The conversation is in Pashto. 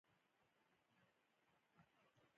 چار مغز د ټولو افغان ښځو په ژوند کې رول لري.